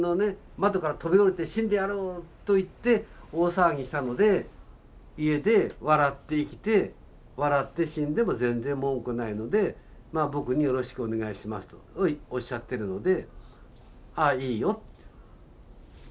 窓から飛び降りて死んでやろうと言って大騒ぎしたので家で笑って生きて笑って死んでも全然文句ないのでまあ僕によろしくお願いしますとおっしゃってるのであいいよって。